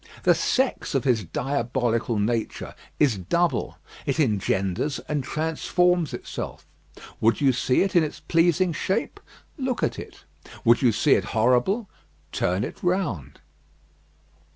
The sex of his diabolical nature is double. It engenders and transforms itself. Would you see it in its pleasing shape? Look at it. Would you see it horrible? Turn it round.